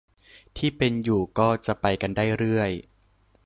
ที่เป็นอยู่ก็จะไปกันได้เรื่อย